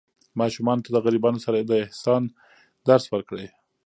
ماشومانو ته د غریبانو سره د احسان درس ورکړئ.